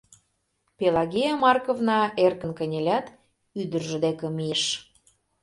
Пелагея Марковна эркын кынелят, ӱдыржӧ деке мийыш.